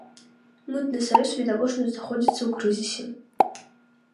Мытны саюз відавочна знаходзіцца ў крызісе.